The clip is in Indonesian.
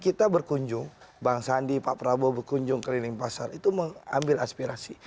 kita berkunjung bang sandi pak prabowo berkunjung keliling pasar itu mengambil aspirasi